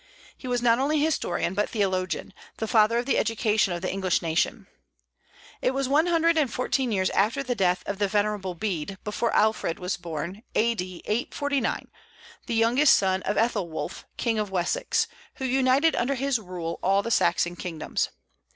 He was not only historian, but theologian, the father of the education of the English nation. It was one hundred and fourteen years after the death of the "venerable Bede" before Alfred was born, A.D. 849, the youngest son of Aethelwulf, king of Wessex, who united under his rule all the Saxon kingdoms.